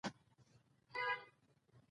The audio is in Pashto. هغه چې په لیدو یې د دوزخ اور حرامېږي